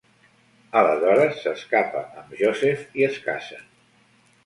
Aleshores, s'escapa amb Joseph i es casen.